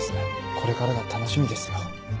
これからが楽しみですよ。